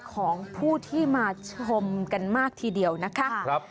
ของผู้ที่มาชมกันมากทีเดียวนะคะ